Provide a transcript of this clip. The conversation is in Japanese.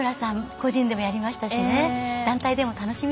個人でもやりましたしね。